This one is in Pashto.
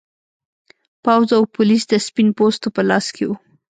پوځ او پولیس د سپین پوستو په لاس کې و.